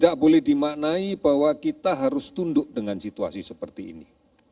tidak boleh dimaknai bahwa kita harus tunduk dengan situasi seperti ini